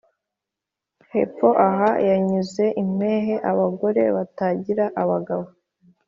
Hepfo aha hanyuze impehe.-Abagore batagira abagabo.